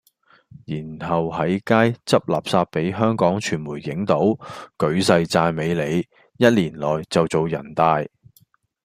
然後係街執垃圾比香港傳媒影到，舉世讚美你，一年內就做人大。